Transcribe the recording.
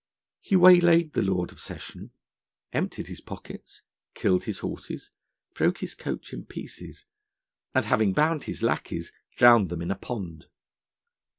He waylaid the Lord of Session, emptied his pockets, killed his horses, broke his coach in pieces, and having bound his lackeys, drowned them in a pond.